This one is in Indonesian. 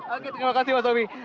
oke terima kasih mas tommy